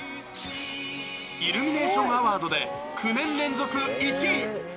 イルミネーションアワードで、９年連続１位。